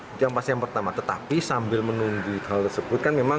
itu yang pasti yang pertama tetapi sambil menunggu hal tersebut kan memang